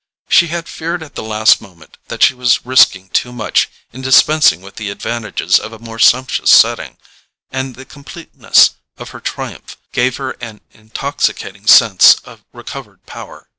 She had feared at the last moment that she was risking too much in dispensing with the advantages of a more sumptuous setting, and the completeness of her triumph gave her an intoxicating sense of recovered power.